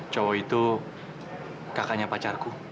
cowok itu kakaknya pacarku